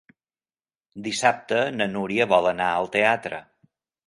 Dissabte na Núria vol anar al teatre.